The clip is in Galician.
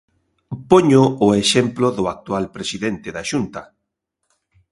Poño o exemplo do actual presidente da Xunta.